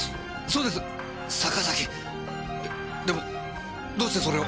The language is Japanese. えでもどうしてそれを？